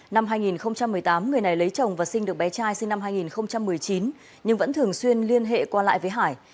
năm hai nghìn một mươi tám người này lấy chồng và sinh được bé trai sinh năm hai nghìn một mươi chín nhưng vẫn thường xuyên liên hệ qua lại với hải